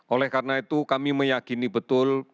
oleh karena itu kami meyakini betul